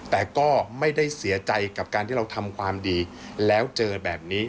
แต่ก็ไม่ได้เสียใจกับการที่เราทำความดีแล้วเจอแบบนี้